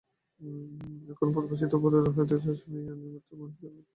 এক্ষণে সেই পূর্বাশ্বাসিত বরেরাও হরিদাসকে গৃহাগত শুনিয়া বিবাহের নিমিত্ত তদীয় আলয়ে উপস্থিত হইল।